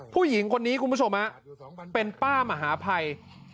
ผู้หญิงคนนี้คุณผู้ชมเป็นป้ามหาภัย